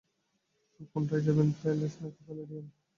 তো কোনটায় যাবেন, প্যালেস না প্যালাডিয়াম?